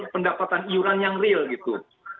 pendapatan iuran yang real gitu